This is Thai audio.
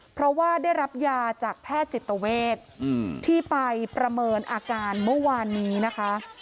เพราะว่าได้รับยาจากแพทย์จิตเวทที่ไปประเมินอาการเมื่อวานนี้นะคะ